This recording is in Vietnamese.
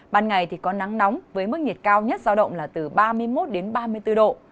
ban ngày thì có nắng nóng với mức nhiệt cao nhất giao động là từ ba mươi một đến ba mươi bốn độ